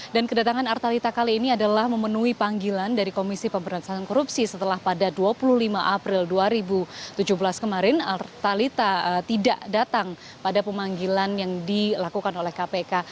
dan kedatangan artalita kali ini adalah memenuhi panggilan dari komisi pemberantasan korupsi setelah pada dua puluh lima april dua ribu tujuh belas kemarin artalita tidak datang pada pemanggilan yang dilakukan oleh kpk